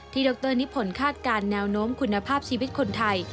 ที่ดรนิพพลคาดการณ์แนวโน้มคุณภาพชีวิตคนไทย